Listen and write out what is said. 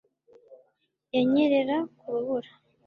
Yanyerera ku rubura